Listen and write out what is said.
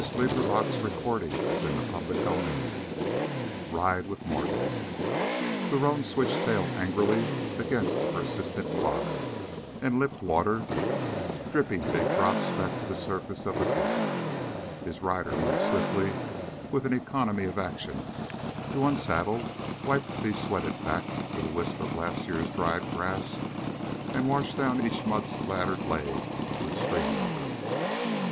B. FORREST, Lieutenant General 1 Ride with Morgan The stocky roan switched tail angrily against a persistent fly and lipped water, dripping big drops back to the surface of the brook. His rider moved swiftly, with an economy of action, to unsaddle, wipe the besweated back with a wisp of last year's dried grass, and wash down each mud spattered leg with stream water.